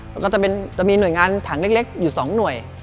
แล้วก็จะมีหน่วยงานถังเล็กอยู่๒หน่วย